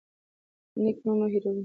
نیک نوم مه هیروئ.